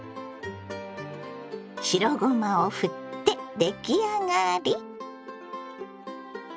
白ごまをふって出来上がり。